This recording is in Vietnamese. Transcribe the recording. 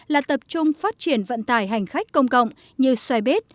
là tập trung phát triển vận tài hành khách công cộng như xoay bếp